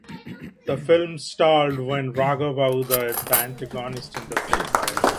The film stalled when Raghava Uday the antagonist in the film died.